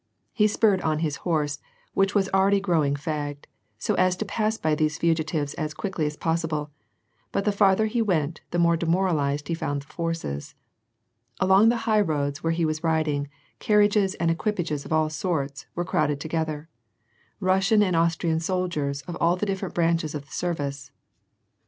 He spurred on his horse, which was already growing fagged, so as to pass by these fugitives as quickly, as possible, but the farther he went, the more demoralized he found the forces. Along the high road where he was riding, carriages and equi pages of all sorts were crowded together, Eussian and Aus trian soldiers of all the different branches of the service.